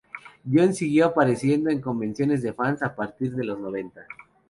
John siguió apareciendo en convenciones de fans a partir de los noventa.